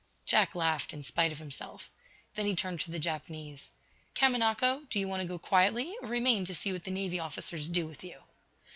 Jack laughed, in spite of himself. Then he turned to the Japanese. "Kamanako, do you want to go quietly, or remain to see what the Navy officers do with you?"